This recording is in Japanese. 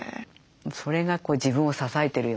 それが自分を支えてるような感じ。